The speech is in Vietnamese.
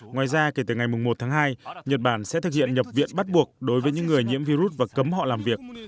ngoài ra kể từ ngày một tháng hai nhật bản sẽ thực hiện nhập viện bắt buộc đối với những người nhiễm virus và cấm họ làm việc